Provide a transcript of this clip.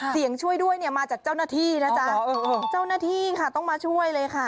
ช่วยด้วยเนี่ยมาจากเจ้าหน้าที่นะจ๊ะเจ้าหน้าที่ค่ะต้องมาช่วยเลยค่ะ